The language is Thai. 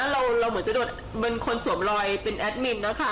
เราเหมือนจะโดนคนสวมรอยเป็นแอดมินนะคะ